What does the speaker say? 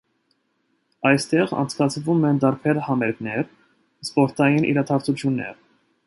Այստեղ անցկացվում են տարբեր համերգներ, սպորտային իրադարձություններ։